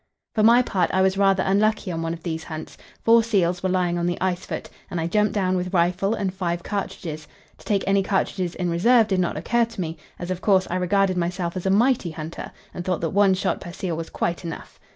For my part I was rather unlucky on one of these hunts: Four seals were lying on the ice foot, and I jumped down with rifle and five cartridges; to take any cartridges in reserve did not occur to me, as, of course, I regarded myself as a mighty hunter, and thought that one shot per seal was quite enough.